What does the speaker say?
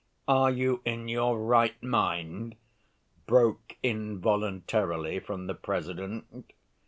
"Are you in your right mind?" broke involuntarily from the President.